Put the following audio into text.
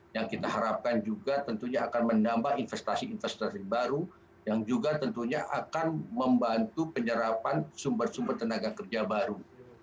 yang kita harapkan juga tentunya akan menambah investasi investasi baru yang juga tentunya akan membantu penyerapan sumber sumber tenaga kerja baru